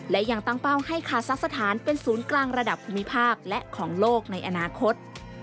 และยังตั้งเป้าให้คาซักสถานเป็นศูนย์กลางระดับภูมิภาคและของโลกในอนาคต